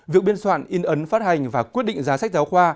việc biên soạn in ấn phát hành và quyết định giá sách giáo khoa